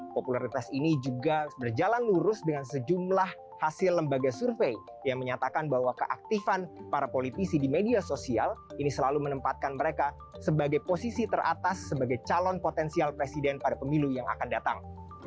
popularitas ini juga berjalan lurus dengan sejumlah hasil lembaga survei yang menyatakan bahwa keaktifan para politisi di media sosial ini selalu menempatkan mereka sebagai posisi teratas sebagai calon potensial presiden pada pemilu yang akan datang